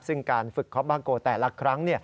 ซึ่งการฝึกครอบภักดิ์แต่ละครั้ง